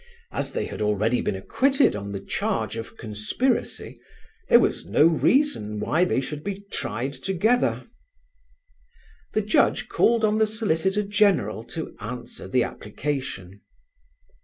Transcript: As they had already been acquitted on the charge of conspiracy, there was no reason why they should be tried together. The Judge called on the Solicitor General to answer the application.